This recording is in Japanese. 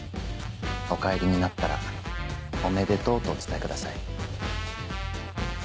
お帰りになったらおめでとうとお伝えください。